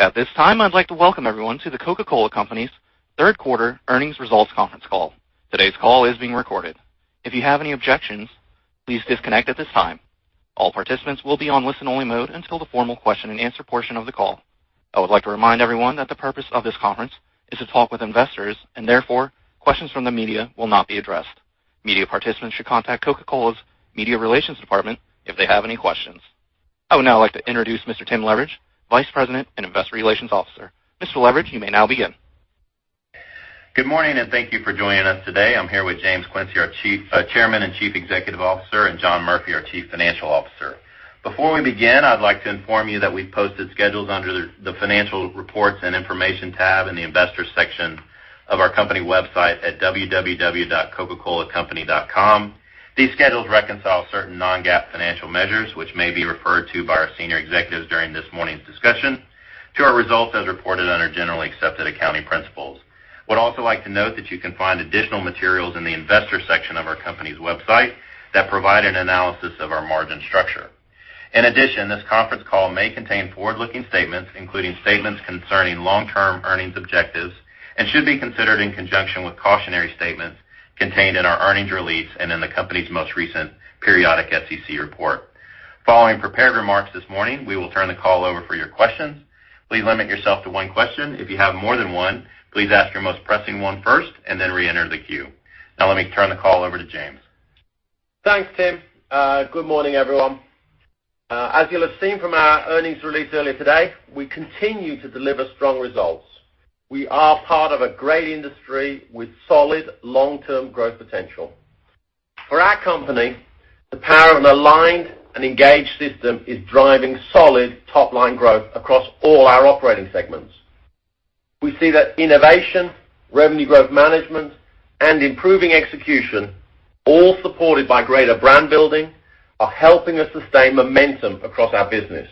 At this time, I'd like to welcome everyone to The Coca-Cola Company's third quarter earnings results conference call. Today's call is being recorded. If you have any objections, please disconnect at this time. All participants will be on listen-only mode until the formal question and answer portion of the call. I would like to remind everyone that the purpose of this conference is to talk with investors. Therefore, questions from the media will not be addressed. Media participants should contact Coca-Cola's media relations department if they have any questions. I would now like to introduce Mr. Timothy K. Leveridge, Vice President and Investor Relations Officer. Mr. Leveridge, you may now begin. Good morning. Thank you for joining us today. I'm here with James Quincey, our Chairman and Chief Executive Officer, and John Murphy, our Chief Financial Officer. Before we begin, I'd like to inform you that we've posted schedules under the financial reports and information tab in the investors section of our company website at www.coca-colacompany.com. These schedules reconcile certain non-GAAP financial measures, which may be referred to by our senior executives during this morning's discussion, to our results as reported under generally accepted accounting principles. We would also like to note that you can find additional materials in the investor section of our company's website that provide an analysis of our margin structure. In addition, this conference call may contain forward-looking statements, including statements concerning long-term earnings objectives and should be considered in conjunction with cautionary statements contained in our earnings release and in the company's most recent periodic SEC report. Following prepared remarks this morning, we will turn the call over for your questions. Please limit yourself to one question. If you have more than one, please ask your most pressing one first and then reenter the queue. Now, let me turn the call over to James. Thanks, Tim. Good morning, everyone. As you'll have seen from our earnings release earlier today, we continue to deliver strong results. We are part of a great industry with solid long-term growth potential. For our company, the power of an aligned and engaged system is driving solid top-line growth across all our operating segments. We see that innovation, revenue growth management, and improving execution, all supported by greater brand building, are helping us sustain momentum across our business.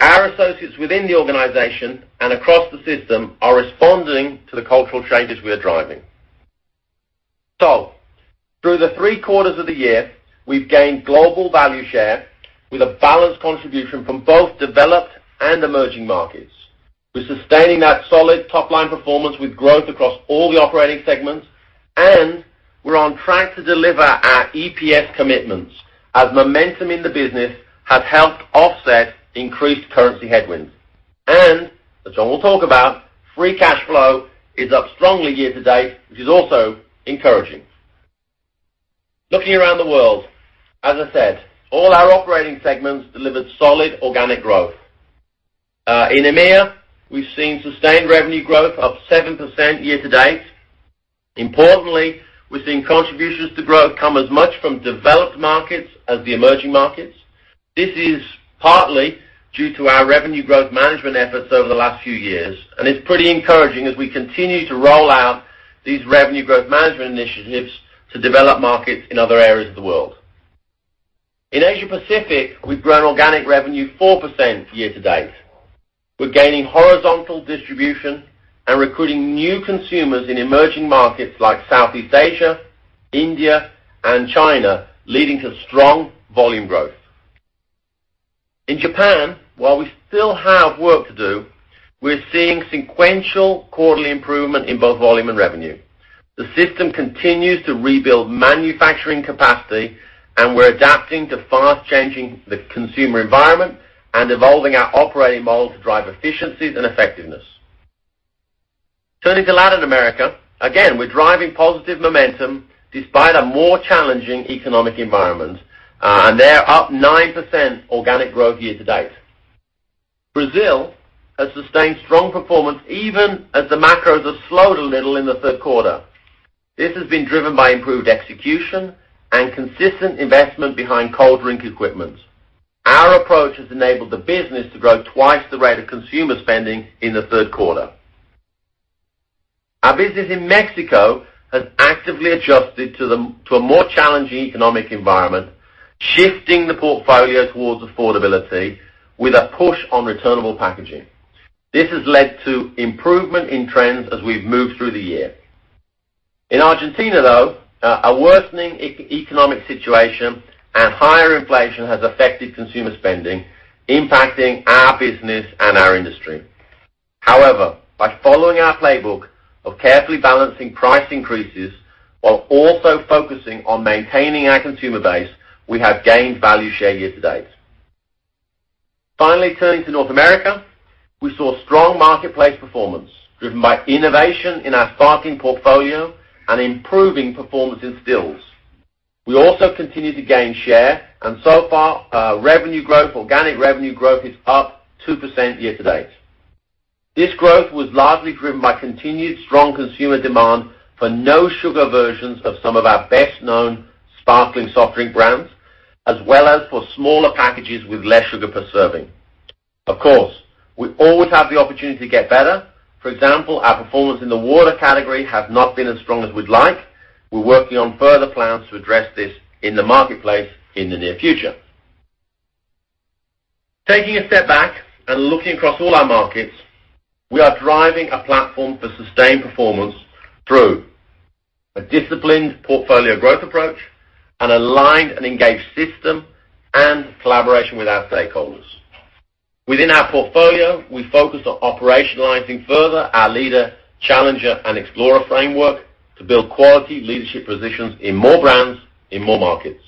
Our associates within the organization and across the system are responding to the cultural changes we are driving. Through the three quarters of the year, we've gained global value share with a balanced contribution from both developed and emerging markets. We're sustaining that solid top-line performance with growth across all the operating segments, we're on track to deliver our EPS commitments as momentum in the business has helped offset increased currency headwinds. As John will talk about, free cash flow is up strongly year-to-date, which is also encouraging. Looking around the world, as I said, all our operating segments delivered solid organic growth. In EMEIA, we've seen sustained revenue growth up 7% year-to-date. Importantly, we're seeing contributions to growth come as much from developed markets as the emerging markets. This is partly due to our revenue growth management efforts over the last few years, and it's pretty encouraging as we continue to roll out these revenue growth management initiatives to develop markets in other areas of the world. In Asia Pacific, we've grown organic revenue 4% year-to-date. We're gaining horizontal distribution and recruiting new consumers in emerging markets like Southeast Asia, India, and China, leading to strong volume growth. In Japan, while we still have work to do, we're seeing sequential quarterly improvement in both volume and revenue. The system continues to rebuild manufacturing capacity, and we're adapting to fast-changing the consumer environment and evolving our operating model to drive efficiencies and effectiveness. Turning to Latin America, again, we're driving positive momentum despite a more challenging economic environment, and they're up 9% organic growth year-to-date. Brazil has sustained strong performance even as the macros have slowed a little in the third quarter. This has been driven by improved execution and consistent investment behind cold drink equipment. Our approach has enabled the business to grow twice the rate of consumer spending in the third quarter. Our business in Mexico has actively adjusted to a more challenging economic environment, shifting the portfolio towards affordability with a push on returnable packaging. This has led to improvement in trends as we've moved through the year. In Argentina, though, a worsening economic situation and higher inflation has affected consumer spending, impacting our business and our industry. However, by following our playbook of carefully balancing price increases while also focusing on maintaining our consumer base, we have gained value share year-to-date. Finally, turning to North America, we saw strong marketplace performance driven by innovation in our sparkling portfolio and improving performance in stills. We also continue to gain share, and so far, revenue growth, organic revenue growth is up 2% year-to-date. This growth was largely driven by continued strong consumer demand for no sugar versions of some of our best-known sparkling soft drink brands, as well as for smaller packages with less sugar per serving. Of course, we always have the opportunity to get better. For example, our performance in the water category has not been as strong as we'd like. We're working on further plans to address this in the marketplace in the near future. Taking a step back and looking across all our markets, we are driving a platform for sustained performance through a disciplined portfolio growth approach, an aligned and engaged system, and collaboration with our stakeholders. Within our portfolio, we focused on operationalizing further our leader, challenger, and explorer framework to build quality leadership positions in more brands, in more markets.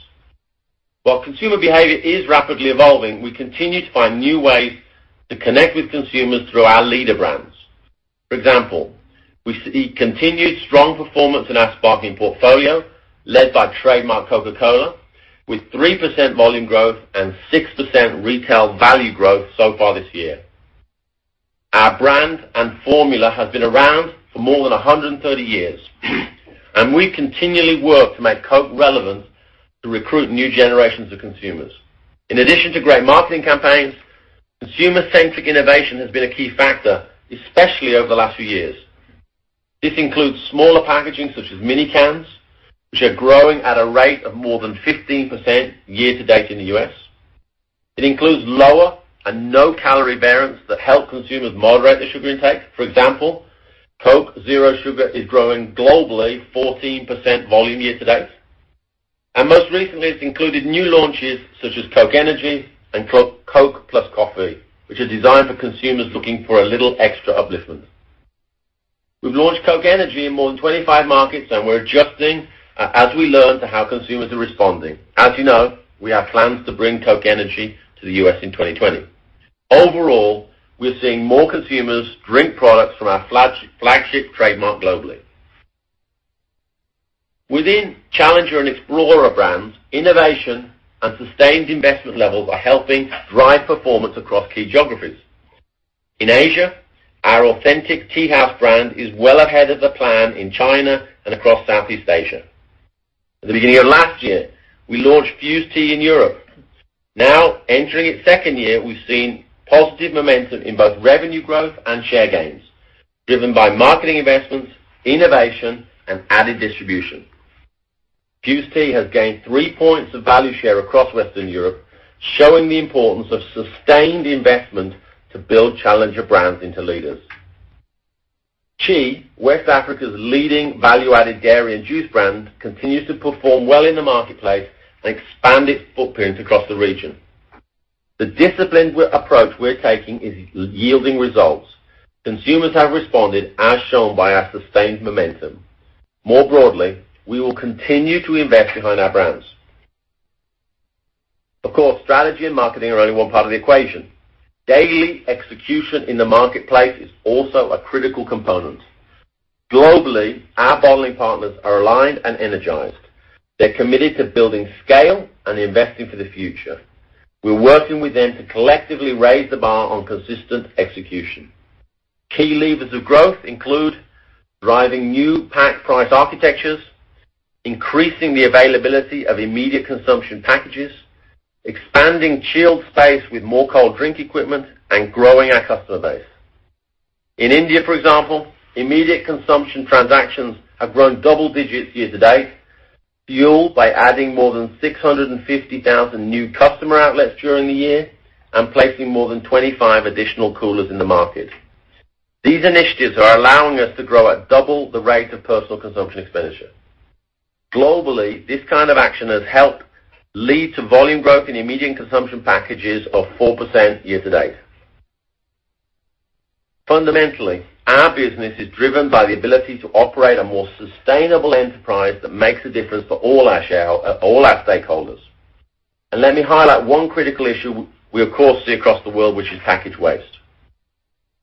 While consumer behavior is rapidly evolving, we continue to find new ways to connect with consumers through our leader brands. For example, we see continued strong performance in our sparking portfolio, led by trademark Coca-Cola, with 3% volume growth and 6% retail value growth so far this year. Our brand and formula have been around for more than 130 years, and we continually work to make Coke relevant to recruit new generations of consumers. In addition to great marketing campaigns, consumer-centric innovation has been a key factor, especially over the last few years. This includes smaller packaging, such as mini cans, which are growing at a rate of more than 15% year to date in the U.S. It includes lower and no-calorie variants that help consumers moderate their sugar intake. For example, Coke Zero Sugar is growing globally 14% volume year to date. Most recently, it's included new launches such as Coca-Cola Energy and Coca-Cola Plus Coffee, which are designed for consumers looking for a little extra upliftment. We've launched Coca-Cola Energy in more than 25 markets, and we're adjusting as we learn to how consumers are responding. As you know, we have plans to bring Coca-Cola Energy to the U.S. in 2020. Overall, we're seeing more consumers drink products from our flagship trademark globally. Within challenger and explorer brands, innovation and sustained investment levels are helping drive performance across key geographies. In Asia, our Authentic Tea House brand is well ahead of the plan in China and across Southeast Asia. At the beginning of last year, we launched Fuze Tea in Europe. Now entering its second year, we've seen positive momentum in both revenue growth and share gains, driven by marketing investments, innovation, and added distribution. Fuze Tea has gained three points of value share across Western Europe, showing the importance of sustained investment to build challenger brands into leaders. Chi, West Africa's leading value-added dairy and juice brand, continues to perform well in the marketplace and expand its footprint across the region. The disciplined approach we're taking is yielding results. Consumers have responded, as shown by our sustained momentum. More broadly, we will continue to invest behind our brands. Of course, strategy and marketing are only one part of the equation. Daily execution in the marketplace is also a critical component. Globally, our bottling partners are aligned and energized. They're committed to building scale and investing for the future. We're working with them to collectively raise the bar on consistent execution. Key levers of growth include driving new pack price architectures, increasing the availability of immediate consumption packages, expanding chilled space with more cold drink equipment, and growing our customer base. In India, for example, immediate consumption transactions have grown double digits year to date, fueled by adding more than 650,000 new customer outlets during the year and placing more than 25 additional coolers in the market. These initiatives are allowing us to grow at double the rate of personal consumption expenditure. Globally, this kind of action has helped lead to volume growth in immediate consumption packages of 4% year to date. Fundamentally, our business is driven by the ability to operate a more sustainable enterprise that makes a difference for all our stakeholders. Let me highlight one critical issue we of course see across the world, which is package waste.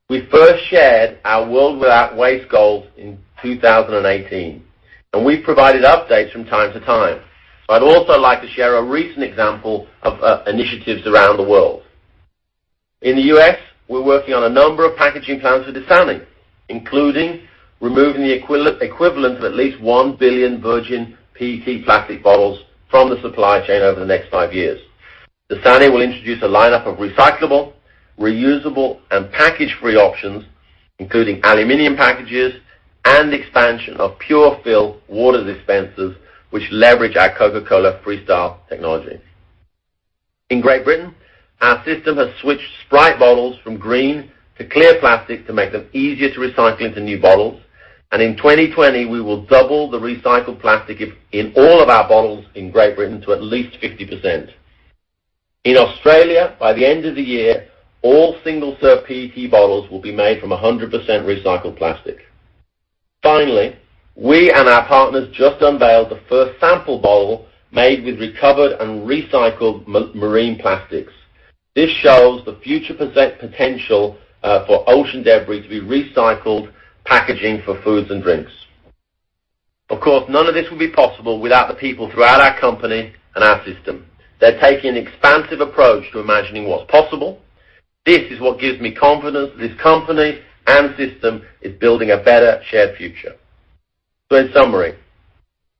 We first shared our World Without Waste goals in 2018, and we've provided updates from time to time. I'd also like to share a recent example of initiatives around the world. In the U.S., we're working on a number of packaging plans with Dasani, including removing the equivalent of at least 1 billion virgin PET plastic bottles from the supply chain over the next 5 years. Dasani will introduce a lineup of recyclable, reusable, and package-free options, including aluminum packages and expansion of PureFill water dispensers, which leverage our Coca-Cola Freestyle technology. In Great Britain, our system has switched Sprite bottles from green to clear plastic to make them easier to recycle into new bottles. In 2020, we will double the recycled plastic in all of our bottles in Great Britain to at least 50%. In Australia, by the end of the year, all single-serve PET bottles will be made from 100% recycled plastic. We and our partners just unveiled the first sample bottle made with recovered and recycled marine plastics. This shows the future potential for ocean debris to be recycled packaging for foods and drinks. Of course, none of this would be possible without the people throughout our company and our system. They're taking an expansive approach to imagining what's possible. This is what gives me confidence that this company and system is building a better shared future. In summary,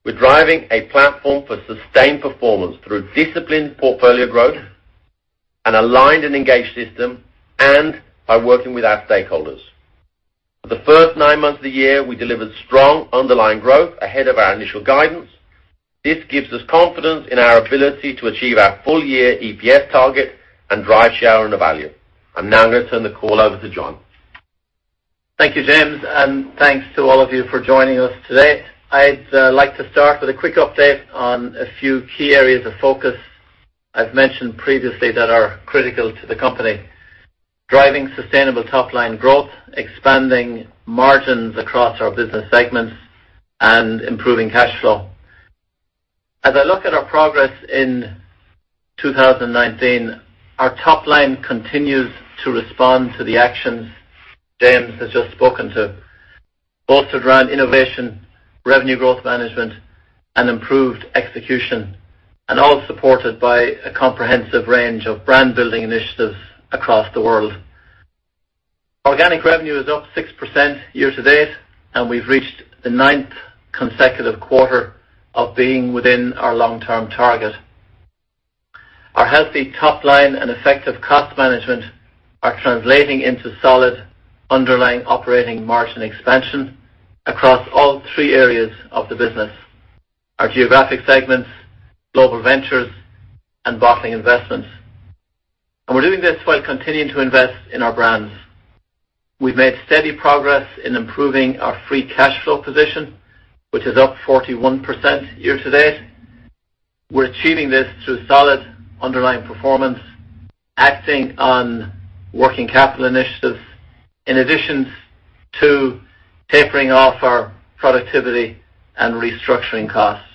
we're driving a platform for sustained performance through disciplined portfolio growth, an aligned and engaged system, and by working with our stakeholders. For the first nine months of the year, we delivered strong underlying growth ahead of our initial guidance. This gives us confidence in our ability to achieve our full-year EPS target and drive shareholder value. I'm now going to turn the call over to John. Thank you, James, and thanks to all of you for joining us today. I'd like to start with a quick update on a few key areas of focus I've mentioned previously that are critical to the company. Driving sustainable top-line growth, expanding margins across our business segments, and improving cash flow. As I look at our progress in 2019, our top line continues to respond to the actions James has just spoken to, both around innovation, revenue growth management, and improved execution, and all supported by a comprehensive range of brand-building initiatives across the world. Organic revenue is up 6% year-to-date, and we've reached the ninth consecutive quarter of being within our long-term target. Our healthy top line and effective cost management are translating into solid underlying operating margin expansion across all three areas of the business, our geographic segments, Global Ventures, and Bottling Investments. We're doing this while continuing to invest in our brands. We've made steady progress in improving our free cash flow position, which is up 41% year-to-date. We're achieving this through solid underlying performance, acting on working capital initiatives, in addition to tapering off our productivity and restructuring costs.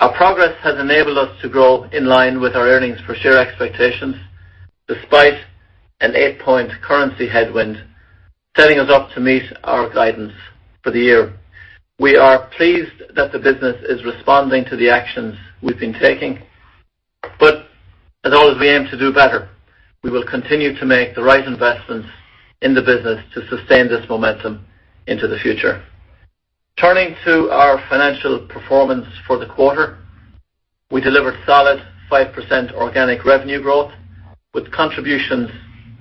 Our progress has enabled us to grow in line with our earnings per share expectations, despite an eight-point currency headwind, setting us up to meet our guidance for the year. We are pleased that the business is responding to the actions we've been taking. As always, we aim to do better. We will continue to make the right investments in the business to sustain this momentum into the future. Turning to our financial performance for the quarter, we delivered solid 5% organic revenue growth with contributions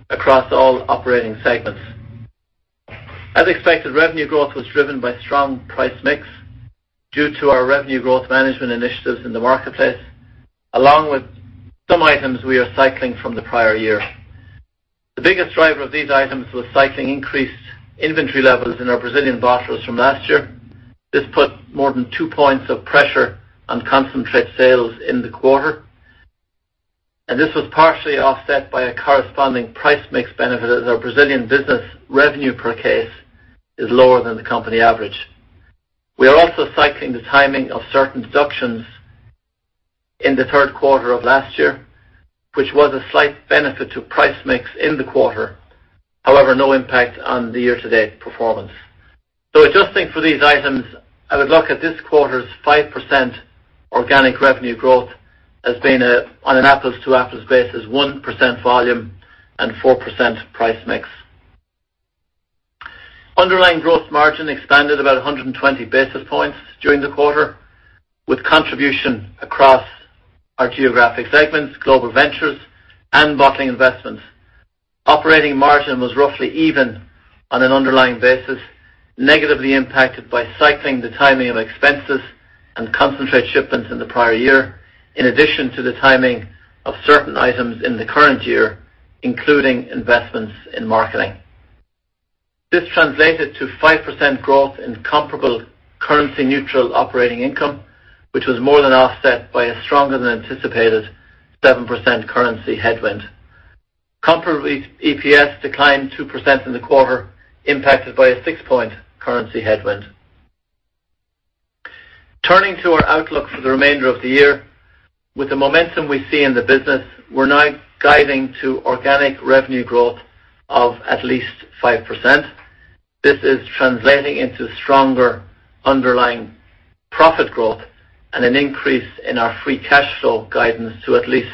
across all operating segments. As expected, revenue growth was driven by strong price mix due to our revenue growth management initiatives in the marketplace, along with some items we are cycling from the prior year. The biggest driver of these items was cycling increased inventory levels in our Brazilian bottles from last year. This put more than two points of pressure on concentrate sales in the quarter, and this was partially offset by a corresponding price mix benefit as our Brazilian business revenue per case is lower than the company average. We are also cycling the timing of certain deductions in the third quarter of last year, which was a slight benefit to price mix in the quarter. However, no impact on the year-to-date performance. Adjusting for these items, I would look at this quarter's 5% organic revenue growth as being on an apples-to-apples basis, 1% volume and 4% price mix. Underlying growth margin expanded about 120 basis points during the quarter, with contribution across our geographic segments, Global Ventures, and Bottling Investments. Operating margin was roughly even on an underlying basis, negatively impacted by cycling the timing of expenses and concentrate shipments in the prior year, in addition to the timing of certain items in the current year, including investments in marketing. This translated to 5% growth in comparable currency-neutral operating income, which was more than offset by a stronger-than-anticipated 7% currency headwind. Comparable EPS declined 2% in the quarter, impacted by a six-point currency headwind. Turning to our outlook for the remainder of the year. With the momentum we see in the business, we're now guiding to organic revenue growth of at least 5%. This is translating into stronger underlying profit growth and an increase in our free cash flow guidance to at least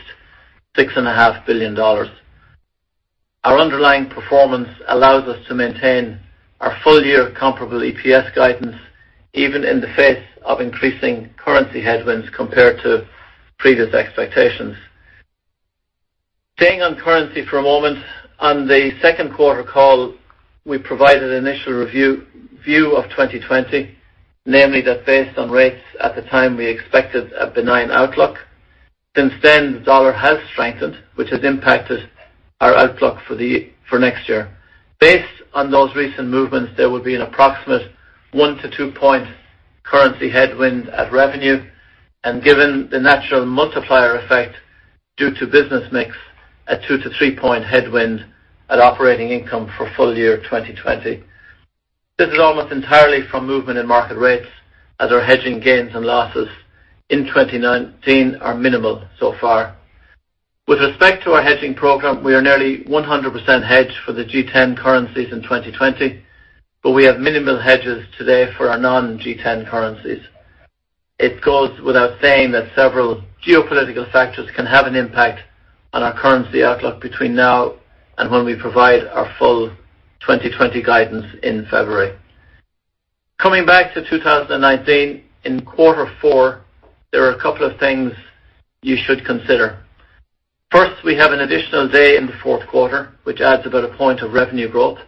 $6.5 billion. Our underlying performance allows us to maintain our full-year comparable EPS guidance, even in the face of increasing currency headwinds compared to previous expectations. Staying on currency for a moment, on the second quarter call, we provided an initial review of 2020, namely that based on rates at the time, we expected a benign outlook. Since then, the dollar has strengthened, which has impacted our outlook for next year. Based on those recent movements, there will be an approximate one- to two-point currency headwind at revenue, and given the natural multiplier effect due to business mix, a two- to three-point headwind at operating income for full year 2020. This is almost entirely from movement in market rates, as our hedging gains and losses in 2019 are minimal so far. With respect to our hedging program, we are nearly 100% hedged for the G10 currencies in 2020, but we have minimal hedges today for our non-G10 currencies. It goes without saying that several geopolitical factors can have an impact on our currency outlook between now and when we provide our full 2020 guidance in February. Coming back to 2019, in quarter four, there are a couple of things you should consider. First, we have an additional day in the fourth quarter, which adds about a point of revenue growth.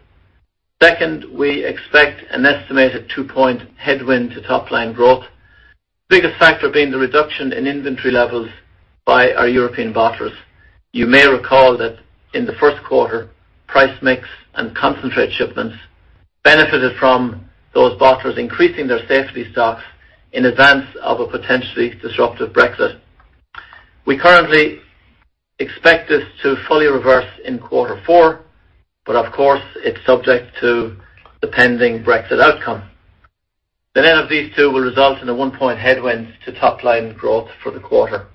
Second, we expect an estimated two-point headwind to top-line growth. Biggest factor being the reduction in inventory levels by our European bottlers. You may recall that in the first quarter, price mix and concentrate shipments benefited from those bottlers increasing their safety stocks in advance of a potentially disruptive Brexit. We currently expect this to fully reverse in quarter 4. Of course, it's subject to the pending Brexit outcome. The net of these two will result in a 1-point headwind to top-line growth for the quarter.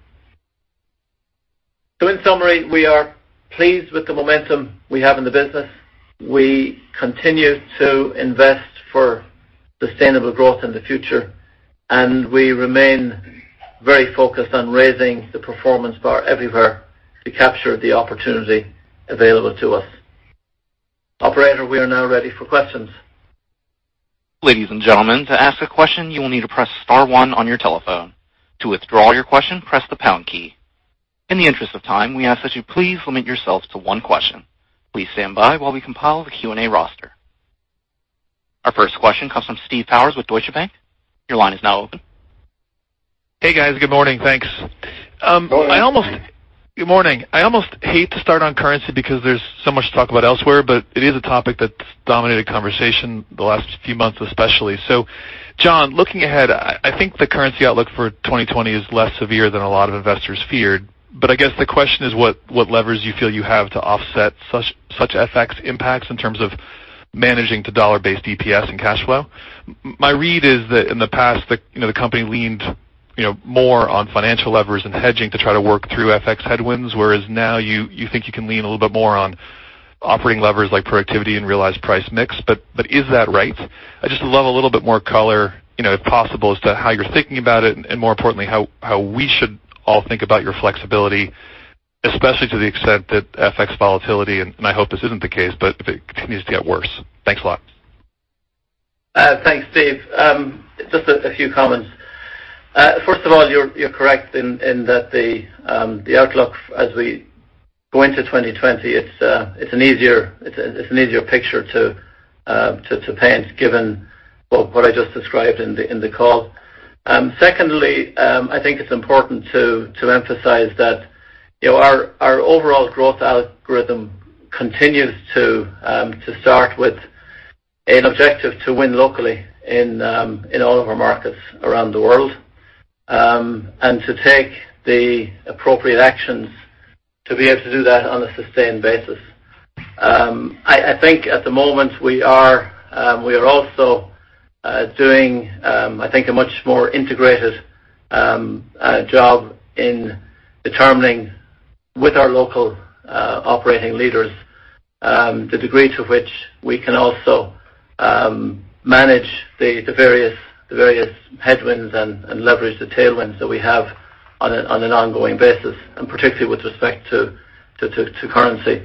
In summary, we are pleased with the momentum we have in the business. We continue to invest for sustainable growth in the future. We remain very focused on raising the performance bar everywhere to capture the opportunity available to us. Operator, we are now ready for questions. Ladies and gentlemen, to ask a question, you will need to press star one on your telephone. To withdraw your question, press the pound key. In the interest of time, we ask that you please limit yourselves to one question. Please stand by while we compile the Q&A roster. Our first question comes from Steve Powers with Deutsche Bank. Your line is now open. Hey, guys. Good morning. Thanks. Good morning. Good morning. I almost hate to start on currency because there's so much to talk about elsewhere, but it is a topic that's dominated conversation the last few months, especially. John, looking ahead, I think the currency outlook for 2020 is less severe than a lot of investors feared. I guess the question is, what levers you feel you have to offset such FX impacts in terms of managing to dollar-based EPS and cash flow. My read is that in the past, the company leaned more on financial levers and hedging to try to work through FX headwinds, whereas now you think you can lean a little bit more on operating levers like productivity and realized price mix. Is that right? I'd just love a little bit more color, if possible, as to how you're thinking about it, and more importantly, how we should all think about your flexibility, especially to the extent that FX volatility, and I hope this isn't the case, but if it continues to get worse. Thanks a lot. Thanks, Steve. Just a few comments. First of all, you're correct in that the outlook as we go into 2020, it's an easier picture to paint given what I just described in the call. Secondly, I think it's important to emphasize that our overall growth algorithm continues to start with an objective to win locally in all of our markets around the world. To take the appropriate actions to be able to do that on a sustained basis. I think at the moment, we are also doing I think a much more integrated job in determining, with our local operating leaders, the degree to which we can also manage the various headwinds and leverage the tailwinds that we have on an ongoing basis, and particularly with respect to currency.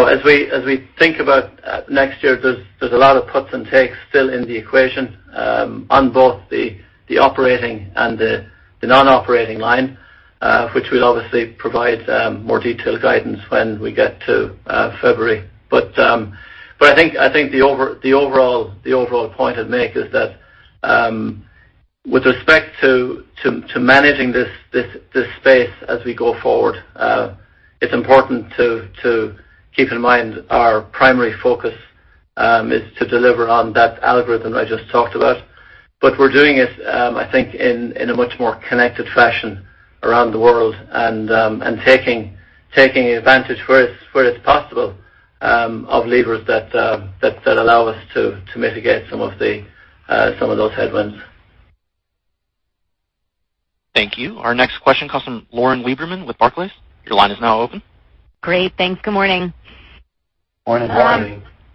As we think about next year, there's a lot of puts and takes still in the equation on both the operating and the non-operating line, which we'll obviously provide more detailed guidance when we get to February. I think the overall point I'd make is that with respect to managing this space as we go forward, it's important to keep in mind our primary focus is to deliver on that algorithm I just talked about. We're doing it, I think, in a much more connected fashion around the world and taking advantage where it's possible of levers that allow us to mitigate some of those headwinds. Thank you. Our next question comes from Lauren Lieberman with Barclays. Your line is now open. Great. Thanks. Good morning. Morning.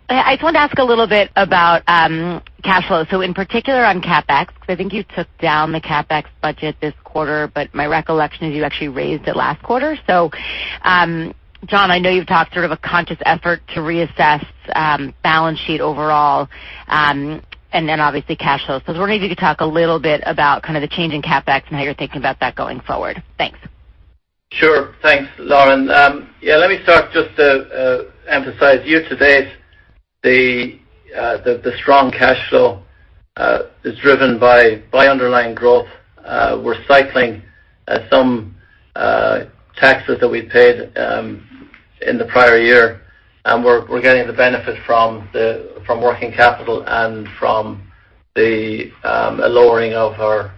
I just wanted to ask a little bit about cash flow, so in particular on CapEx, because I think you took down the CapEx budget this quarter, but my recollection is you actually raised it last quarter. John, I know you've talked sort of a conscious effort to reassess balance sheet overall, and then obviously cash flows. I was wondering if you could talk a little bit about kind of the change in CapEx and how you're thinking about that going forward. Thanks. Sure. Thanks, Lauren. Yeah, let me start just to emphasize year to date, the strong cash flow is driven by underlying growth. We're cycling some taxes that we paid in the prior year, and we're getting the benefit from working capital and from the lowering of our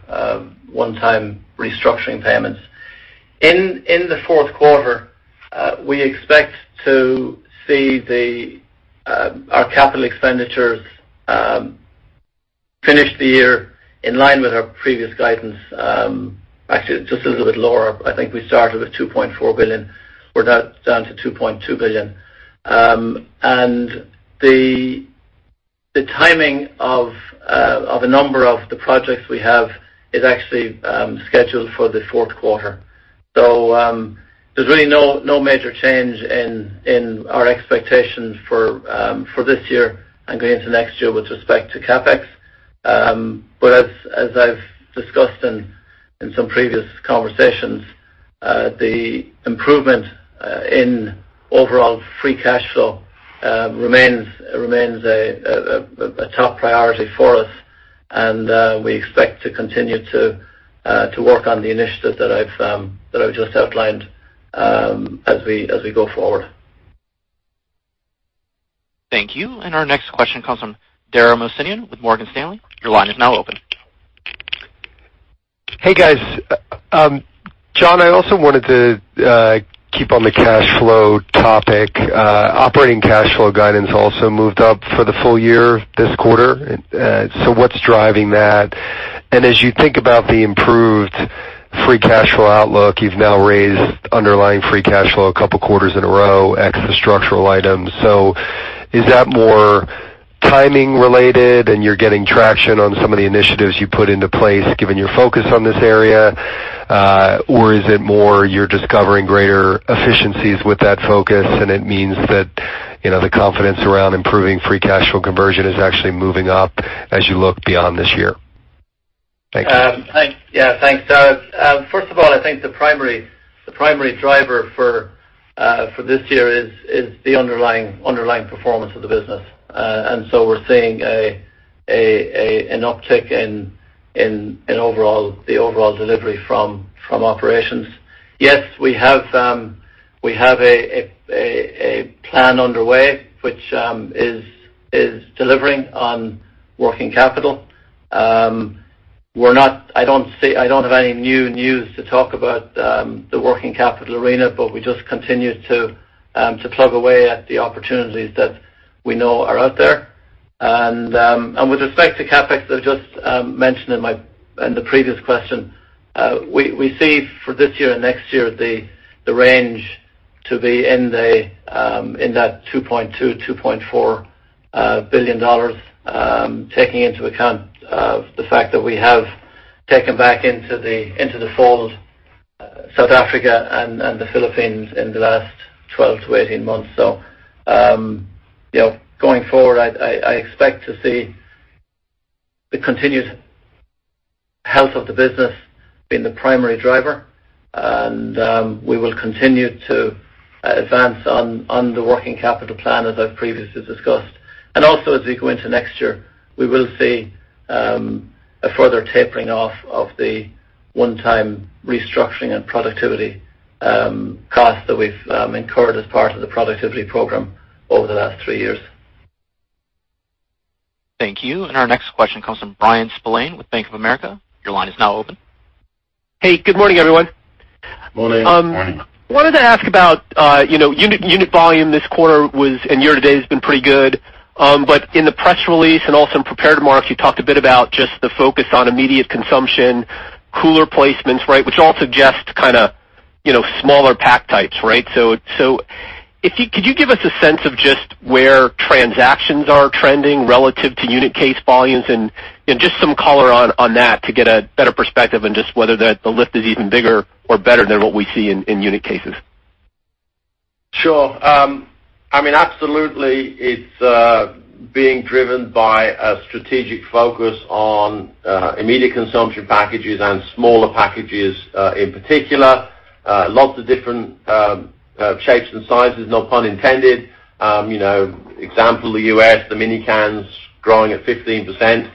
one-time restructuring payments. In the fourth quarter, we expect to see our capital expenditures finish the year in line with our previous guidance. Actually, just a little bit lower. I think we started with $2.4 billion. We're now down to $2.2 billion. The timing of a number of the projects we have is actually scheduled for the fourth quarter. There's really no major change in our expectations for this year and going into next year with respect to CapEx. As I've discussed in some previous conversations, the improvement in overall free cash flow remains a top priority for us, and we expect to continue to work on the initiatives that I've just outlined as we go forward. Thank you. Our next question comes from Dara Mohsenian with Morgan Stanley. Your line is now open. Hey, guys. John, I also wanted to keep on the cash flow topic. Operating cash flow guidance also moved up for the full year this quarter. What's driving that? As you think about the improved free cash flow outlook, you've now raised underlying free cash flow a couple of quarters in a row, ex the structural items. Is that more timing related and you're getting traction on some of the initiatives you put into place, given your focus on this area? Or is it more you're just covering greater efficiencies with that focus and it means that the confidence around improving free cash flow conversion is actually moving up as you look beyond this year? Thanks. Thanks, Dara. First of all, I think the primary driver for this year is the underlying performance of the business. We're seeing an uptick in the overall delivery from operations. Yes, we have a plan underway which is delivering on working capital. I don't have any new news to talk about the working capital arena, but we just continue to plug away at the opportunities that we know are out there. With respect to CapEx, as I just mentioned in the previous question, we see for this year and next year, the range to be in that $2.2 billion-$2.4 billion, taking into account the fact that we have taken back into the fold South Africa and the Philippines in the last 12 to 18 months. Going forward, I expect to see the continued health of the business being the primary driver, and we will continue to advance on the working capital plan as I've previously discussed. Also, as we go into next year, we will see a further tapering off of the one-time restructuring and productivity costs that we've incurred as part of the productivity program over the last three years. Thank you. Our next question comes from Bryan Spillane with Bank of America. Your line is now open. Hey, good morning, everyone. Morning. Morning. Wanted to ask about unit volume this quarter and year to date has been pretty good. In the press release and also in prepared remarks, you talked a bit about just the focus on immediate consumption, cooler placements which all suggest kind of smaller pack types, right? Could you give us a sense of just where transactions are trending relative to unit case volumes and just some color on that to get a better perspective on just whether the lift is even bigger or better than what we see in unit cases? Sure. Absolutely, it's being driven by a strategic focus on immediate consumption packages and smaller packages, in particular. Lots of different shapes and sizes, no pun intended. Example, the U.S., the mini cans growing at 15%.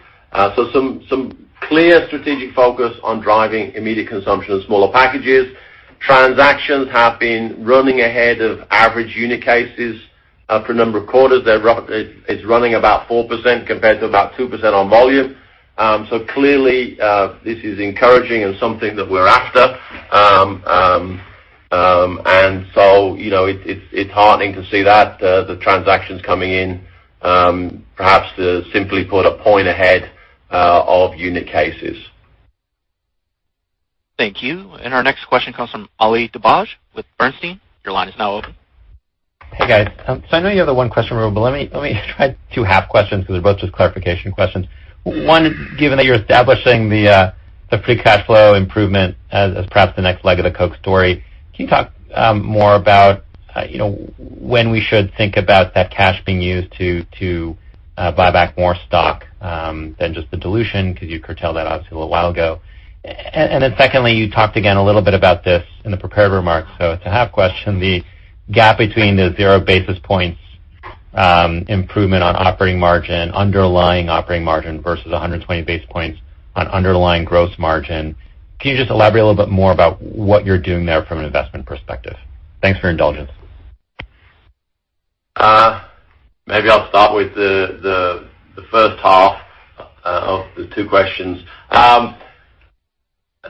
Some clear strategic focus on driving immediate consumption of smaller packages. Transactions have been running ahead of average unit cases for a number of quarters. It's running about 4% compared to about 2% on volume. Clearly, this is encouraging and something that we're after. It's heartening to see that the transactions coming in, perhaps to simply put a point ahead of unit cases. Thank you. Our next question comes from Ali Dibadj with Bernstein. Your line is now open. Hey, guys. I know you have a one question rule, but let me try two half questions because they're both just clarification questions. One, given that you're establishing the free cash flow improvement as perhaps the next leg of the Coke story, can you talk more about when we should think about that cash being used to buy back more stock than just the dilution? Because you curtailed that obviously a little while ago. Secondly, you talked again a little bit about this in the prepared remarks. It's a half question. The gap between the zero basis points improvement on operating margin, underlying operating margin versus 120 basis points on underlying gross margin. Can you just elaborate a little bit more about what you're doing there from an investment perspective? Thanks for your indulgence. I'll start with the first half of the two questions.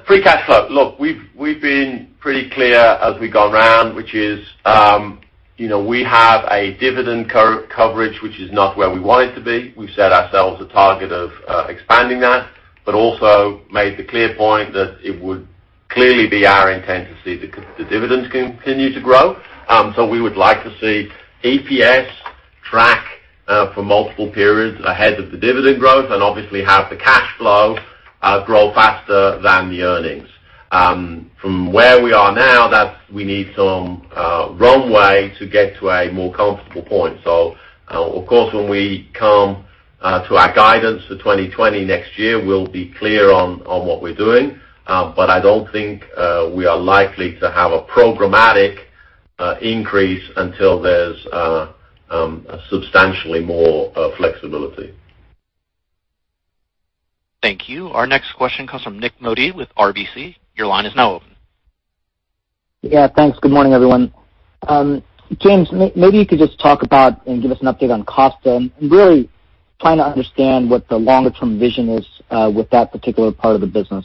Free cash flow. Look, we've been pretty clear as we've gone round, which is we have a dividend coverage which is not where we want it to be. We've set ourselves a target of expanding that, but also made the clear point that it would clearly be our intent to see the dividends continue to grow. We would like to see EPS track for multiple periods ahead of the dividend growth and obviously have the cash flow grow faster than the earnings. From where we are now, we need some runway to get to a more comfortable point. Of course, when we come to our guidance for 2020 next year, we'll be clear on what we're doing. I don't think we are likely to have a programmatic increase until there's substantially more flexibility. Thank you. Our next question comes from Nik Modi with RBC. Your line is now open. Yeah, thanks. Good morning, everyone. James, maybe you could just talk about and give us an update on Costa. I'm really trying to understand what the longer-term vision is with that particular part of the business.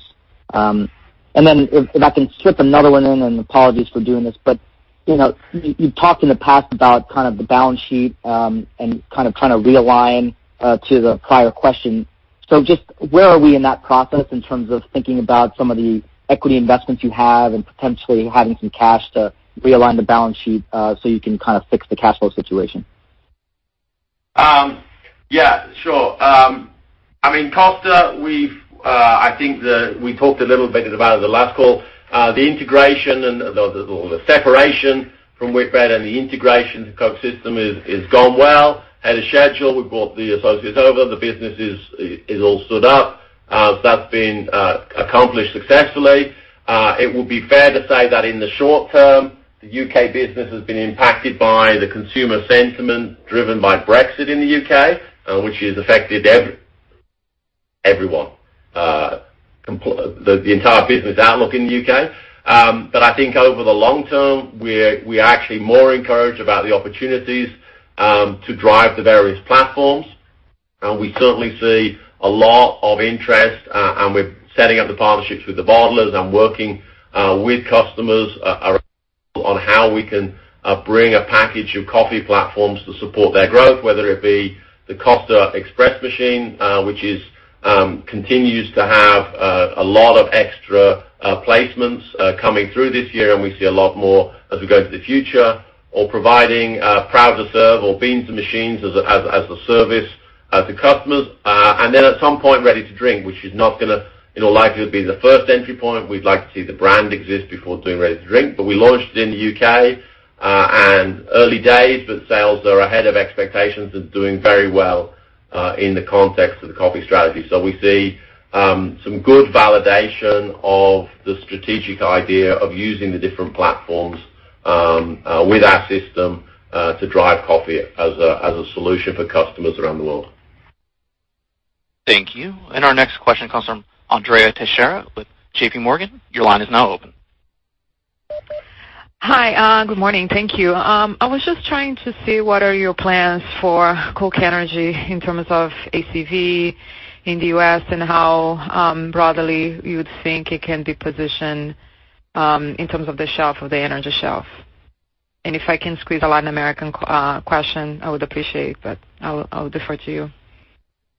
If I can slip another one in, apologies for doing this, you've talked in the past about the balance sheet, and trying to realign to the prior question. Just where are we in that process in terms of thinking about some of the equity investments you have and potentially having some cash to realign the balance sheet, so you can fix the cash flow situation? Yeah, sure. Costa, I think we talked a little bit about it the last call. The integration and the separation from Whitbread and the integration into Coke system has gone well. As a schedule, we brought the associates over. The business is all stood up. That's been accomplished successfully. It would be fair to say that in the short term, the U.K. business has been impacted by the consumer sentiment driven by Brexit in the U.K., which has affected everyone, the entire business outlook in the U.K. I think over the long term, we are actually more encouraged about the opportunities to drive the various platforms. We certainly see a lot of interest, and we're setting up the partnerships with the bottlers and working with customers on how we can bring a package of coffee platforms to support their growth, whether it be the Costa Express machine which continues to have a lot of extra placements coming through this year, and we see a lot more as we go into the future or providing Proud to Serve or beans to machines as a service to customers. At some point, ready to drink, which is not going to likely be the first entry point. We'd like to see the brand exist before doing ready to drink. We launched in the U.K., and early days, but sales are ahead of expectations and doing very well in the context of the coffee strategy. We see some good validation of the strategic idea of using the different platforms with our system to drive coffee as a solution for customers around the world. Thank you. Our next question comes from Andrea Teixeira with JPMorgan. Your line is now open. Hi. Good morning. Thank you. I was just trying to see what are your plans for Coke Energy in terms of ACV in the U.S. and how broadly you would think it can be positioned in terms of the shelf of the energy shelf. If I can squeeze a Latin American question, I would appreciate, but I'll defer to you.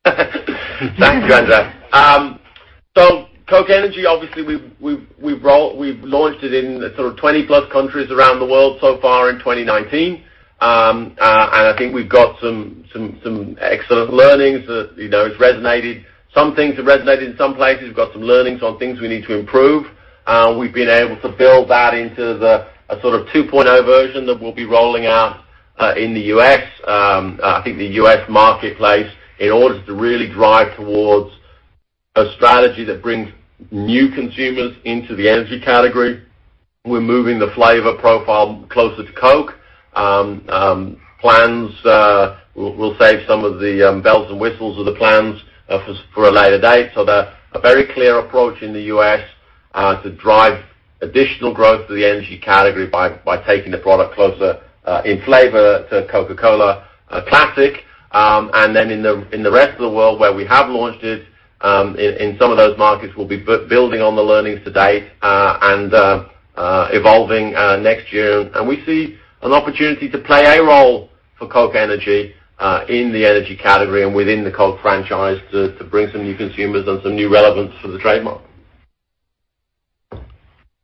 Thanks, Andrea. Coca-Cola Energy, obviously, we've launched it in sort of 20-plus countries around the world so far in 2019. I think we've got some excellent learnings that it's resonated. Some things have resonated in some places. We've got some learnings on things we need to improve. We've been able to build that into a sort of 2.0 version that we'll be rolling out in the U.S. I think the U.S. marketplace, in order to really drive towards a strategy that brings new consumers into the energy category, we're moving the flavor profile closer to Coke. Plans, we'll save some of the bells and whistles of the plans for a later date. They're a very clear approach in the U.S. to drive additional growth to the energy category by taking the product closer in flavor to Coca-Cola Classic. In the rest of the world where we have launched it, in some of those markets, we'll be building on the learnings to date, and evolving next year. We see an opportunity to play a role for Coca-Cola Energy in the energy category and within the Coke franchise to bring some new consumers and some new relevance to the trademark.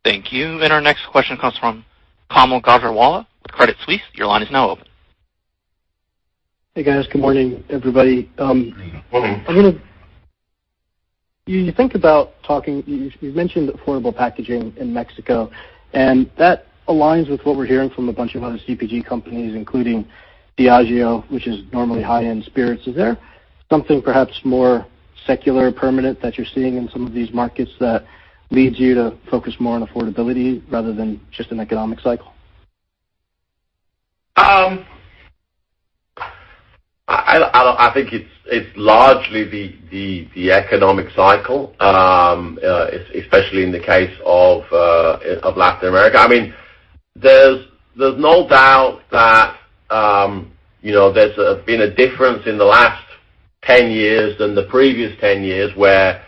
Thank you. Our next question comes from Kaumil Gajrawala with Credit Suisse. Your line is now open. Hey, guys. Good morning, everybody. Good morning. You've mentioned affordable packaging in Mexico. That aligns with what we're hearing from a bunch of other CPG companies, including Diageo, which is normally high-end spirits. Is there something perhaps more secular or permanent that you're seeing in some of these markets that leads you to focus more on affordability rather than just an economic cycle? I think it's largely the economic cycle, especially in the case of Latin America. There's no doubt that there's been a difference in the last 10 years than the previous 10 years where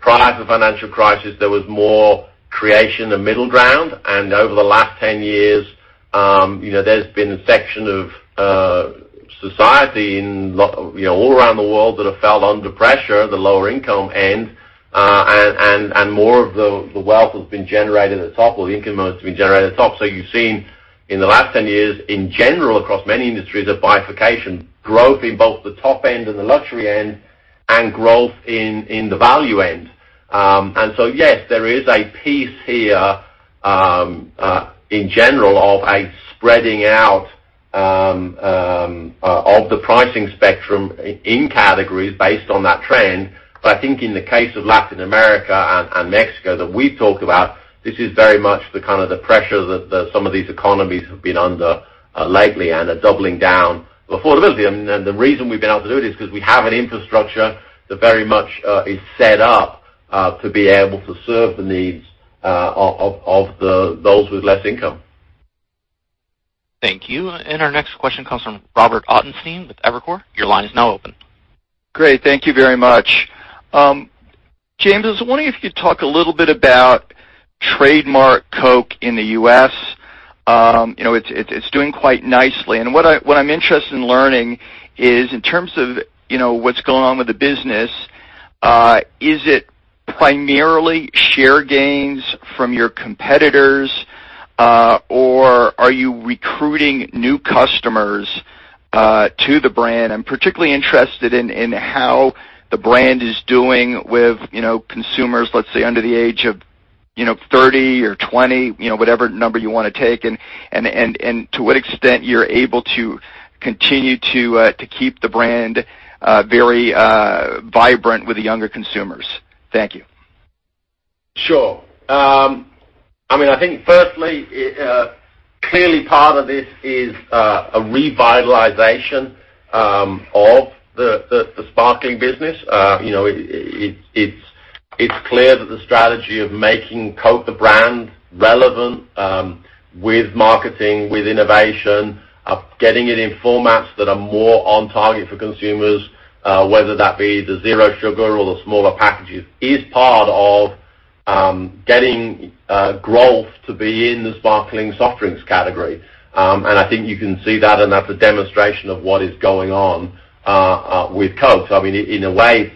prior to the financial crisis, there was more creation of middle ground. Over the last 10 years, there's been a section of society all around the world that have fell under pressure, the lower income end, and more of the wealth has been generated at the top, or the income has been generated at the top. You've seen in the last 10 years, in general, across many industries, a bifurcation growth in both the top end and the luxury end, and growth in the value end. Yes, there is a piece here, in general, of a spreading out of the pricing spectrum in categories based on that trend. I think in the case of Latin America and Mexico that we talk about, this is very much the kind of the pressure that some of these economies have been under lately and are doubling down for affordability. The reason we've been able to do it is because we have an infrastructure that very much is set up to be able to serve the needs of those with less income. Thank you. Our next question comes from Robert Ottenstein with Evercore. Your line is now open. Great. Thank you very much. James, I was wondering if you'd talk a little bit about trademark Coke in the U.S. It's doing quite nicely. What I'm interested in learning is, in terms of what's going on with the business, is it primarily share gains from your competitors, or are you recruiting new customers to the brand? I'm particularly interested in how the brand is doing with consumers, let's say, under the age of 30 or 20, whatever number you want to take, and to what extent you're able to continue to keep the brand very vibrant with the younger consumers. Thank you. Sure. I think firstly, clearly part of this is a revitalization of the sparkling business. It's clear that the strategy of making Coke the brand relevant, with marketing, with innovation, of getting it in formats that are more on target for consumers, whether that be the zero sugar or the smaller packages, is part of getting growth to be in the sparkling soft drinks category. I think you can see that and that's a demonstration of what is going on with Coke. In a way,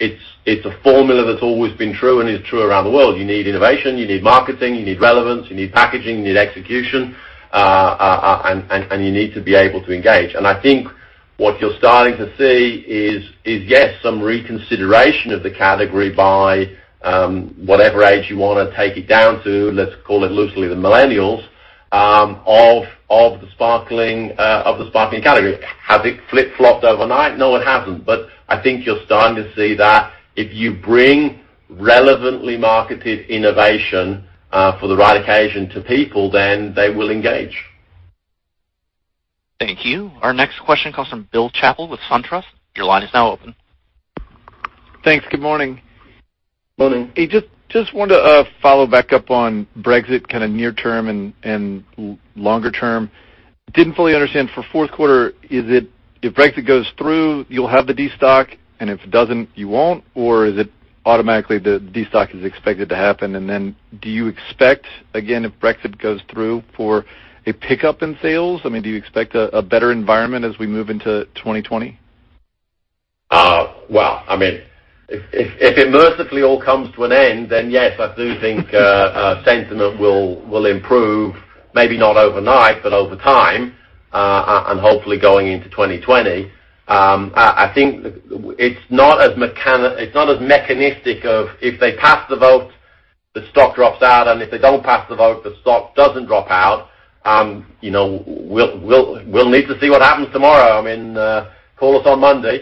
it's a formula that's always been true and is true around the world. You need innovation, you need marketing, you need relevance, you need packaging, you need execution, and you need to be able to engage. I think what you're starting to see is, yes, some reconsideration of the category by, whatever age you want to take it down to, let's call it loosely, the millennials, of the sparkling category. Has it flip-flopped overnight? No, it hasn't. I think you're starting to see that if you bring relevantly marketed innovation for the right occasion to people, then they will engage. Thank you. Our next question comes from Bill Chappell with SunTrust. Your line is now open. Thanks. Good morning. Morning. Hey, just wanted to follow back up on Brexit kind of near term and longer term. Didn't fully understand for fourth quarter, if Brexit goes through, you'll have the destock, and if it doesn't, you won't? Is it automatically the destock is expected to happen? Do you expect, again, if Brexit goes through, for a pickup in sales? Do you expect a better environment as we move into 2020? If it mercifully all comes to an end, yes, I do think sentiment will improve, maybe not overnight, but over time, and hopefully going into 2020. I think it's not as mechanistic of if they pass the vote, the stock drops out, if they don't pass the vote, the stock doesn't drop out. We'll need to see what happens tomorrow. Call us on Monday.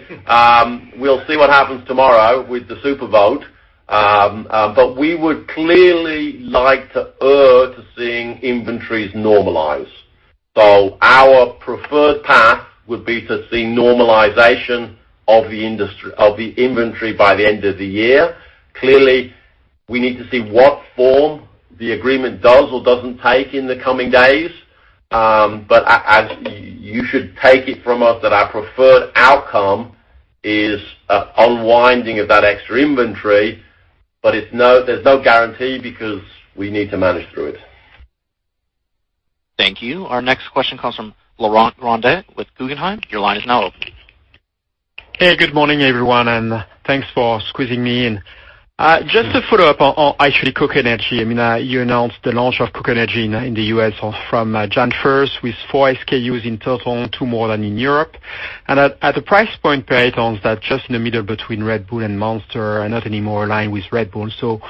We'll see what happens tomorrow with the super vote. We would clearly like to err to seeing inventories normalize. Our preferred path would be to see normalization of the inventory by the end of the year. Clearly, we need to see what form the agreement does or doesn't take in the coming days. You should take it from us that our preferred outcome is a unwinding of that extra inventory. There's no guarantee because we need to manage through it. Thank you. Our next question comes from Laurent Grandet with Guggenheim. Your line is now open. Hey, good morning, everyone, and thanks for squeezing me in. Just to follow up on actually Coca-Cola Energy. You announced the launch of Coca-Cola Energy in the U.S. from January 1st with 4 SKUs in total, 2 more than in Europe. At the price point per 8 ounce, that's just in the middle between Red Bull and Monster and not any more in line with Red Bull. I'd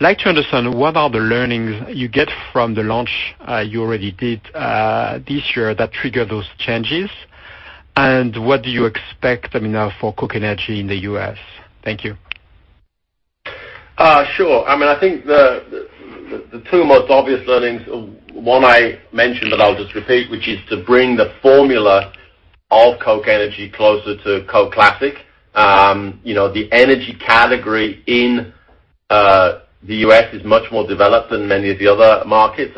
like to understand what are the learnings you get from the launch you already did this year that triggered those changes? What do you expect now for Coca-Cola Energy in the U.S.? Thank you. Sure. I think the two most obvious learnings, one I mentioned, but I'll just repeat, which is to bring the formula of Coca-Cola Energy closer to Coke Classic. The energy category in the U.S. is much more developed than many of the other markets.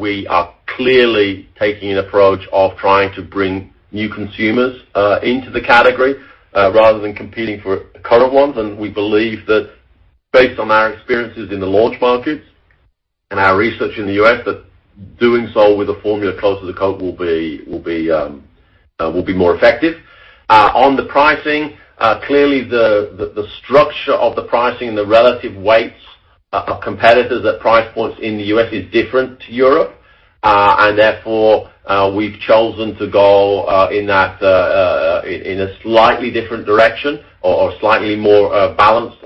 We are clearly taking an approach of trying to bring new consumers into the category rather than competing for current ones. We believe that based on our experiences in the launch markets and our research in the U.S., that doing so with a formula closer to Coke will be more effective. On the pricing, clearly the structure of the pricing and the relative weights of competitors at price points in the U.S. is different to Europe. Therefore, we've chosen to go in a slightly different direction or slightly more balanced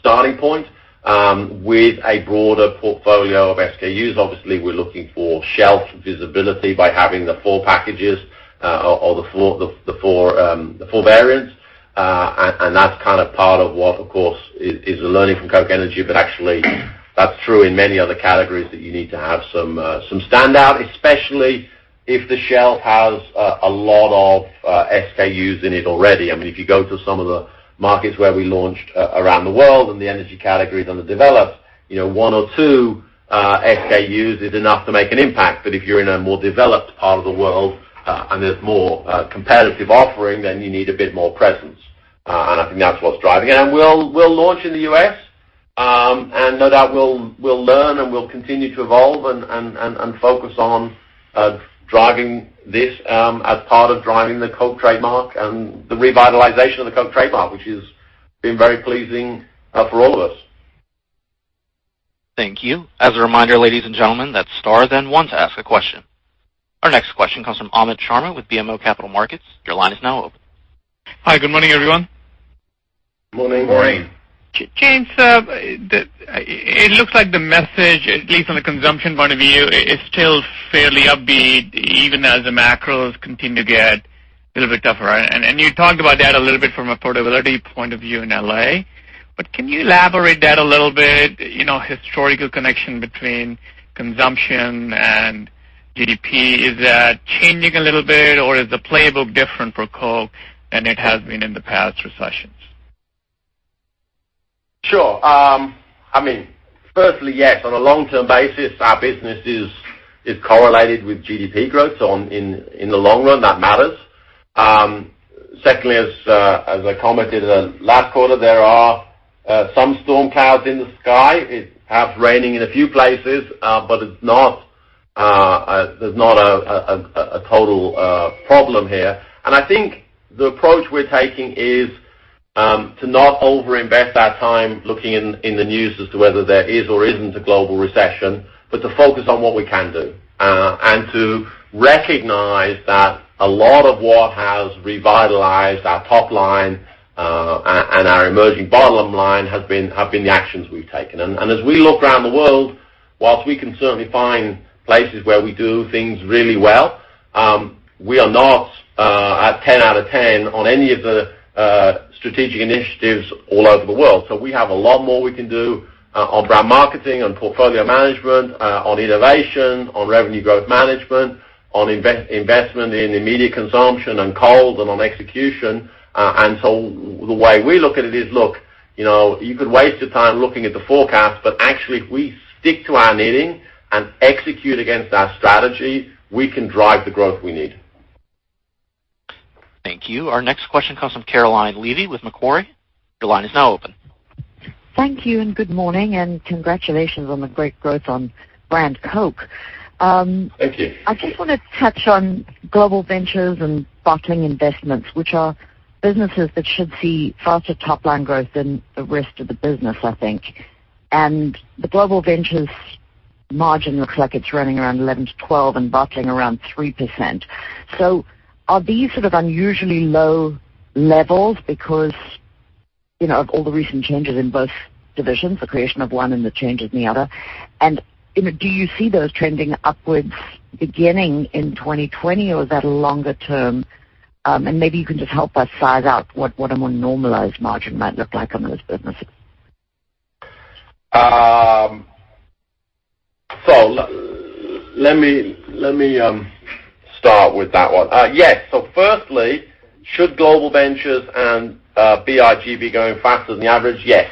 starting point, with a broader portfolio of SKUs. Obviously, we're looking for shelf visibility by having the full packages, or the full variants. That's part of what, of course, is the learning from Coke Energy. Actually, that's true in many other categories that you need to have some standout, especially if the shelf has a lot of SKUs in it already. If you go to some of the markets where we launched around the world and the energy categories under developed, one or two SKUs is enough to make an impact. If you're in a more developed part of the world, and there's more competitive offering, then you need a bit more presence. I think that's what's driving. We'll launch in the U.S., and no doubt we'll learn and we'll continue to evolve and focus on driving this as part of driving the Coke trademark and the revitalization of the Coke trademark, which has been very pleasing for all of us. Thank you. As a reminder, ladies and gentlemen, that's star then one to ask a question. Our next question comes from Amit Sharma with BMO Capital Markets. Your line is now open. Hi, good morning, everyone. Morning. Morning. James, it looks like the message, at least from a consumption point of view, is still fairly upbeat, even as the macros continue to get a little bit tougher. You talked about that a little bit from affordability point of view in L.A., but can you elaborate that a little bit, historical connection between consumption and GDP. Is that changing a little bit, or is the playbook different for Coke than it has been in the past recessions? Sure. Firstly, yes, on a long-term basis, our business is correlated with GDP growth. In the long run, that matters. Secondly, as I commented last quarter, there are some storm clouds in the sky. It's perhaps raining in a few places, but there's not a total problem here. I think the approach we're taking is to not over-invest our time looking in the news as to whether there is or isn't a global recession, but to focus on what we can do. To recognize that a lot of what has revitalized our top line, and our emerging bottom line have been the actions we've taken. As we look around the world, whilst we can certainly find places where we do things really well, we are not at 10 out of 10 on any of the strategic initiatives all over the world. We have a lot more we can do on brand marketing, on portfolio management, on innovation, on revenue growth management, on investment in immediate consumption, on cold, and on execution. The way we look at it is, look, you could waste your time looking at the forecast, but actually, if we stick to our knitting and execute against our strategy, we can drive the growth we need. Thank you. Our next question comes from Caroline Levy with Macquarie. Your line is now open. Thank you, and good morning, and congratulations on the great growth on brand Coke. Thank you. I just want to touch on Global Ventures and Bottling Investments, which are businesses that should see faster top line growth than the rest of the business, I think. The Global Ventures margin looks like it's running around 11%-12% and Bottling Investments around 3%. Are these sort of unusually low levels because of all the recent changes in both divisions, the creation of one and the changes in the other? Do you see those trending upwards beginning in 2020 or is that a longer term? Maybe you can just help us size out what a more normalized margin might look like on those businesses. Let me start with that one. Yes. Firstly, should Global Ventures and BIG be going faster than the average? Yes.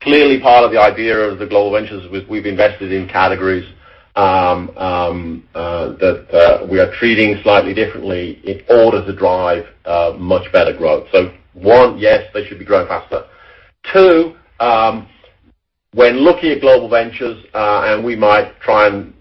Clearly part of the idea of the Global Ventures, we've invested in categories that we are treating slightly differently in order to drive much better growth. One, yes, they should be growing faster. Two, when looking at Global Ventures, and we might try and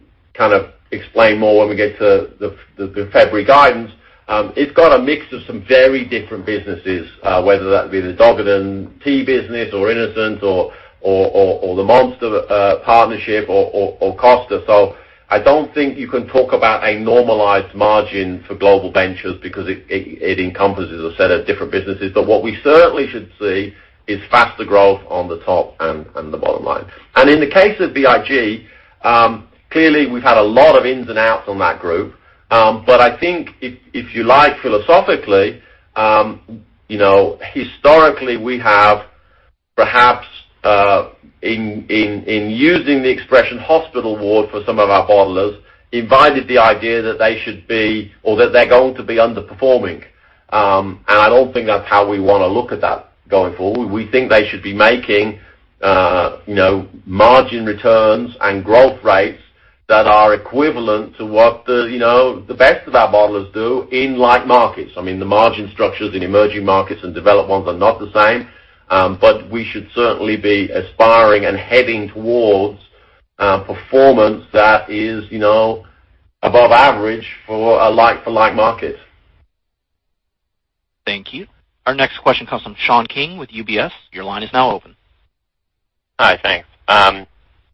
explain more when we get to the February guidance, it's got a mix of some very different businesses, whether that be the Douwe Egberts tea business or innocent or the Monster partnership or Costa. I don't think you can talk about a normalized margin for Global Ventures because it encompasses a set of different businesses. What we certainly should see is faster growth on the top and the bottom line. In the case of BIG, clearly, we've had a lot of ins and outs on that group. I think if you like, philosophically, historically we have perhaps, in using the expression hospital ward for some of our bottlers, invited the idea that they should be, or that they're going to be underperforming. I don't think that's how we want to look at that going forward. We think they should be making margin returns and growth rates that are equivalent to what the best of our bottlers do in like markets. I mean, the margin structures in emerging markets and developed ones are not the same. We should certainly be aspiring and heading towards Performance that is above average for a like-to-like market. Thank you. Our next question comes from Sean King with UBS. Your line is now open. Hi, thanks.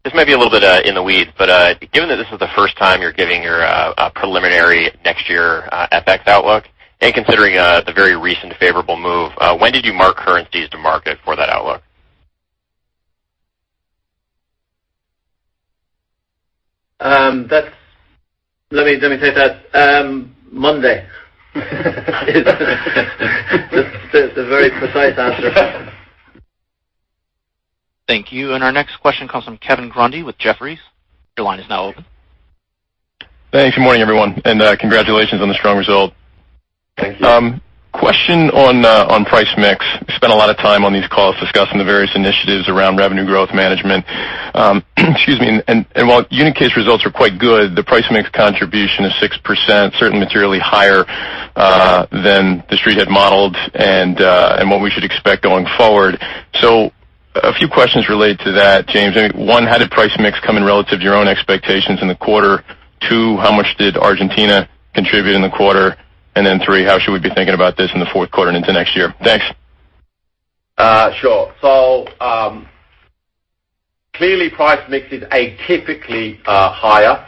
This may be a little bit in the weeds, but given that this is the first time you're giving your preliminary next year FX outlook, and considering the very recent favorable move, when did you mark currencies to market for that outlook? Let me take that. Monday. It's a very precise answer. Thank you. Our next question comes from Kevin Grundy with Jefferies. Your line is now open. Thanks. Good morning, everyone. Congratulations on the strong result. Thank you. Question on price mix. We spend a lot of time on these calls discussing the various initiatives around revenue growth management. Excuse me. While unit case results are quite good, the price mix contribution is 6%, certainly materially higher than the Street had modeled and what we should expect going forward. A few questions related to that, James. One, how did price mix come in relative to your own expectations in the quarter? Two, how much did Argentina contribute in the quarter? Then three, how should we be thinking about this in the fourth quarter and into next year? Thanks. Sure. Clearly price mix is atypically higher.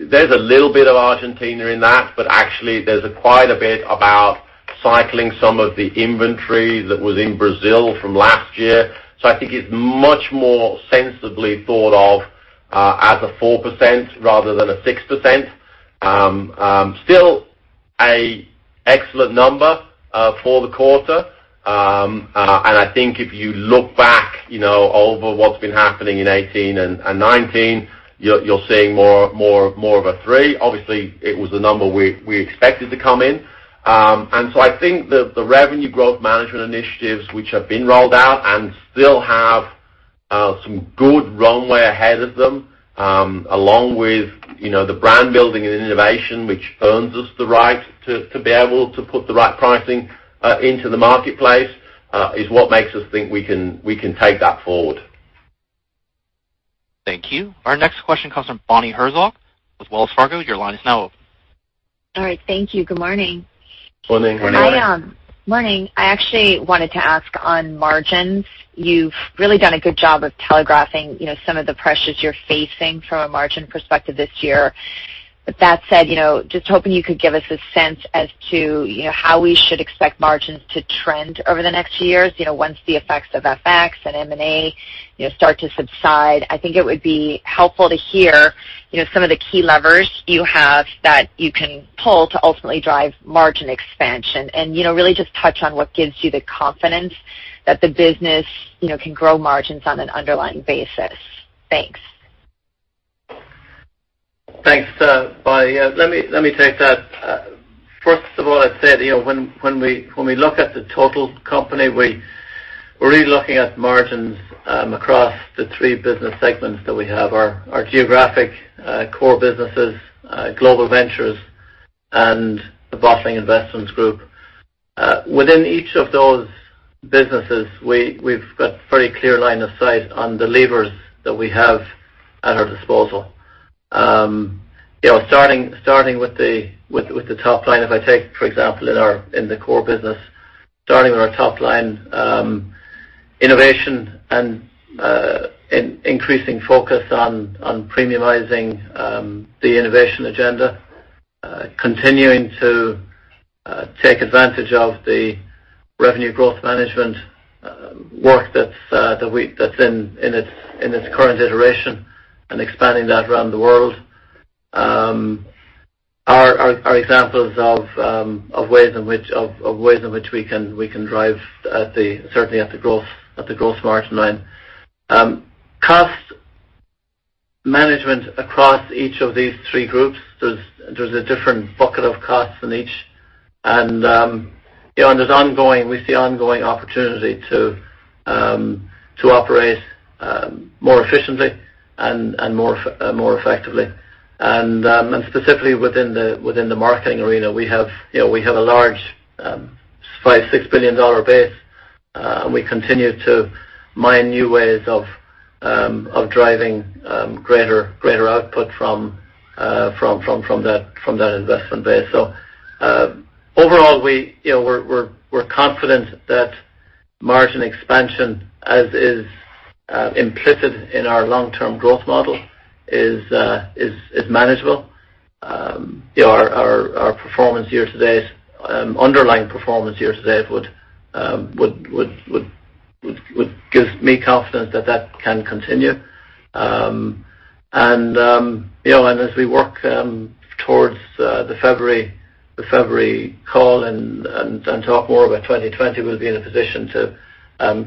There's a little bit of Argentina in that, but actually there's quite a bit about cycling some of the inventory that was in Brazil from last year. I think it's much more sensibly thought of as a 4% rather than a 6%. Still, a excellent number for the quarter. I think if you look back over what's been happening in 2018 and 2019, you're seeing more of a 3%. Obviously, it was the number we expected to come in. I think the revenue growth management initiatives, which have been rolled out and still have some good runway ahead of them, along with the brand building and innovation, which earns us the right to be able to put the right pricing into the marketplace, is what makes us think we can take that forward. Thank you. Our next question comes from Bonnie Herzog with Wells Fargo. Your line is now open. All right. Thank you. Good morning. Morning. Morning. Morning. I actually wanted to ask on margins. You've really done a good job of telegraphing some of the pressures you're facing from a margin perspective this year. That said, just hoping you could give us a sense as to how we should expect margins to trend over the next few years, once the effects of FX and M&A start to subside. I think it would be helpful to hear some of the key levers you have that you can pull to ultimately drive margin expansion and really just touch on what gives you the confidence that the business can grow margins on an underlying basis. Thanks. Thanks, Bonnie. Let me take that. First of all, I'd say when we look at the total company, we're really looking at margins across the three business segments that we have, our geographic core businesses, Global Ventures, and the Bottling Investments Group. Within each of those businesses, we've got very clear line of sight on the levers that we have at our disposal. Starting with the top line, if I take, for example, in the core business, starting with our top line, innovation and increasing focus on premiumizing the innovation agenda, continuing to take advantage of the revenue growth management work that's in its current iteration, and expanding that around the world, are examples of ways in which we can drive certainly at the growth margin line. Cost management across each of these three groups, there's a different bucket of costs in each. We see ongoing opportunity to operate more efficiently and more effectively. Specifically within the marketing arena, we have a large $5 billion, $6 billion base. We continue to mine new ways of driving greater output from that investment base. Overall, we're confident that margin expansion, as is implicit in our long-term growth model, is manageable. Our underlying performance year-to-date would give me confidence that that can continue. As we work towards the February call and talk more about 2020, we'll be in a position to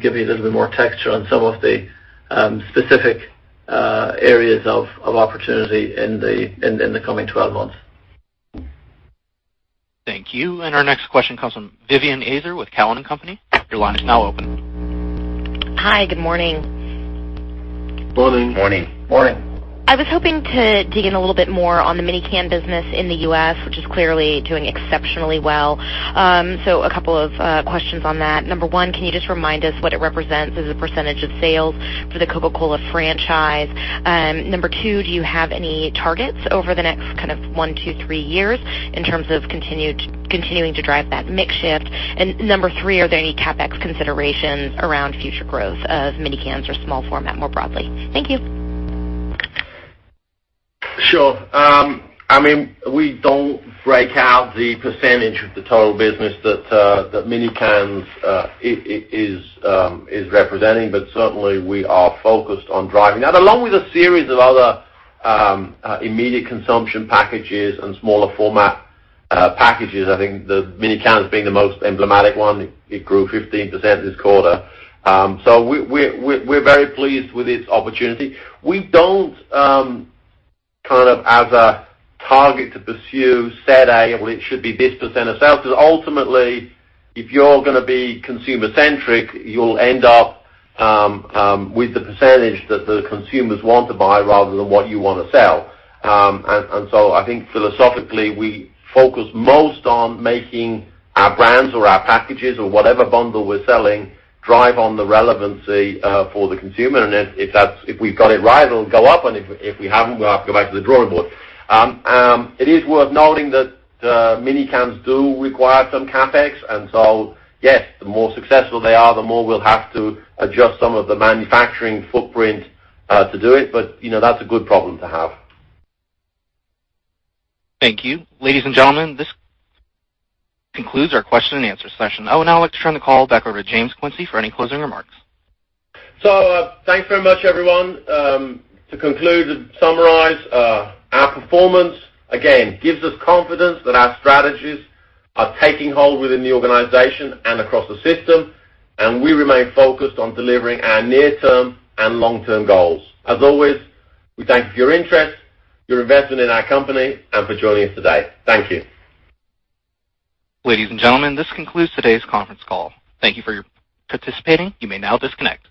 give you a little bit more texture on some of the specific areas of opportunity in the coming 12 months. Thank you. Our next question comes from Vivien Azer with Cowen and Company. Your line is now open. Hi. Good morning. Morning. Morning. Morning I was hoping to dig in a little bit more on the mini-can business in the U.S., which is clearly doing exceptionally well. A couple of questions on that. Number one, can you just remind us what it represents as a percentage of sales for the Coca-Cola franchise? Number two, do you have any targets over the next one, two, three years in terms of continuing to drive that mix shift? Number three, are there any CapEx considerations around future growth of mini-cans or small format more broadly? Thank you. Sure. We don't break out the percentage of the total business that mini-cans is representing, but certainly, we are focused on driving that along with a series of other immediate consumption packages and smaller format packages. I think the mini-can is being the most emblematic one. It grew 15% this quarter. We're very pleased with this opportunity. We don't, kind of as a target to pursue, set a, well, it should be this percent of sales. Because ultimately, if you're going to be consumer centric, you'll end up with the percentage that the consumers want to buy rather than what you want to sell. I think philosophically, we focus most on making our brands or our packages or whatever bundle we're selling drive on the relevancy for the consumer. If we've got it right, it'll go up, and if we haven't, we'll have to go back to the drawing board. It is worth noting that mini-cans do require some CapEx, and so yes, the more successful they are, the more we'll have to adjust some of the manufacturing footprint to do it. That's a good problem to have. Thank you. Ladies and gentlemen, this concludes our question and answer session. I would now like to turn the call back over to James Quincey for any closing remarks. Thanks very much, everyone. To conclude and summarize, our performance, again, gives us confidence that our strategies are taking hold within the organization and across the system, and we remain focused on delivering our near-term and long-term goals. As always, we thank you for your interest, your investment in our company, and for joining us today. Thank you. Ladies and gentlemen, this concludes today's conference call. Thank you for participating. You may now disconnect.